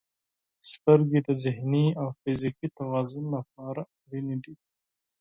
• سترګې د ذهني او فزیکي توازن لپاره اړینې دي.